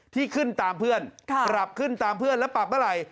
ที่ขึ้นตามเพื่อนปรับขึ้นตามเพื่อนแล้วปรับเมื่อไหร่